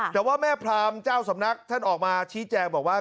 แต่ว่าแม่พรามเจ้าสำนักท่านออกมาชี้แจงบอกว่า